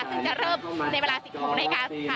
จะเริ่มในเวลา๑๙๓๐นค่ะ